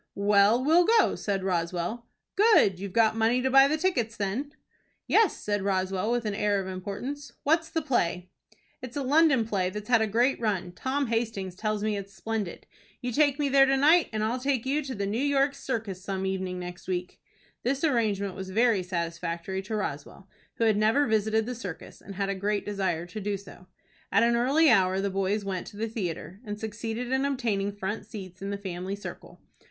"Well, we'll go," said Roswell. "Good! You've got money to buy the tickets, then?" "Yes," said Roswell, with an air of importance. "What's the play?" "It's a London play that's had a great run. Tom Hastings tells me it is splendid. You take me there to night, and I'll take you to the New York Circus some evening next week." This arrangement was very satisfactory to Roswell, who had never visited the circus, and had a great desire to do so. At an early hour the boys went to the theatre, and succeeded in obtaining front seats in the family circle.